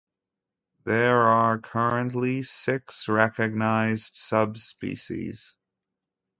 There are currently six recognized subspecies.